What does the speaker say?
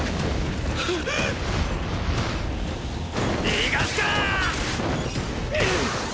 逃がすか！！